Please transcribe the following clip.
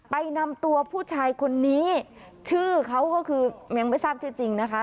ไปนำตัวผู้ชายคนนี้ชื่อเขาก็คือยังไม่ทราบชื่อจริงนะคะ